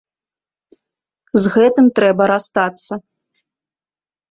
З гэтым трэба расстацца.